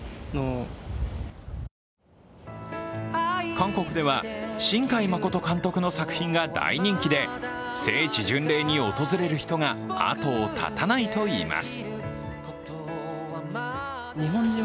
韓国では新海誠監督の作品が大人気で聖地巡礼に訪れる人が後を絶たないといいます。